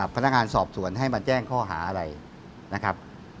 พนักงานสอบสวนให้มาแจ้งข้อหาอะไรนะครับ